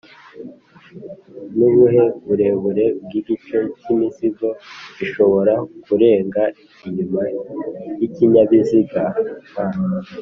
Nubuhe burebure bw’igice cy’imizigo gishobora kurenga inyuma y’ikinyabiziga? m